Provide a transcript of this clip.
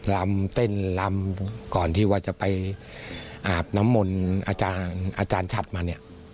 ลำเต้นลำก่อนที่ว่าจะไปอาบน้ำมนต์อาจารย์ชัดมาเนี่ย